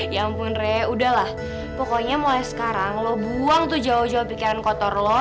ya ampun re udah lah pokoknya mulai sekarang lo buang tuh jauh jauh pikiran kotor lo